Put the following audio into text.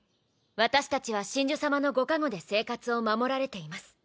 私たちは神樹様のご加護で生活を守られています。